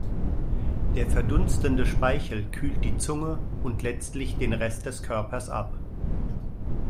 Der verdunstende Speichel kühlt die Zunge und letztlich den Rest des Körpers ab.